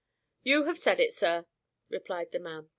"You have said it, sir," replied the man.